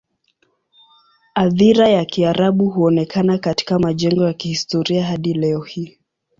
Athira ya Kiarabu huonekana katika majengo ya kihistoria hadi leo hii.